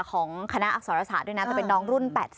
ของคณะอักษรศาสตร์ด้วยนะแต่เป็นน้องรุ่น๘๐